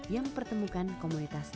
yang pertemukan komunitas tuli